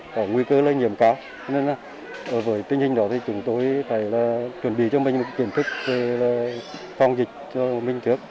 có nguy cơ là nghiêm cáo với tình hình đó thì chúng tôi phải chuẩn bị cho mình một kiểm thức phòng dịch cho mình trước